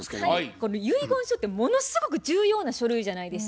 この遺言書ってものすごく重要な書類じゃないですか。